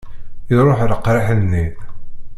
Iruḥ leqriḥ-nni.